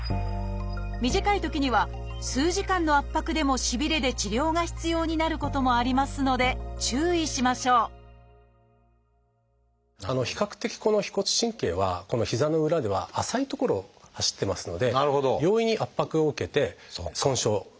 短いときには数時間の圧迫でもしびれで治療が必要になることもありますので注意しましょう比較的この腓骨神経はこの膝の裏では浅い所を走ってますので容易に圧迫を受けて損傷を来す。